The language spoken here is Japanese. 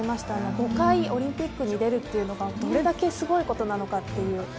５回オリンピックに出るっていうのがどれだけすごいことなのかという。